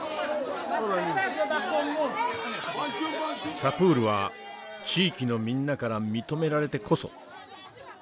サプールは地域のみんなから認められてこそ。